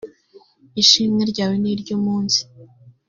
ishimwe ryawe niryumunsi .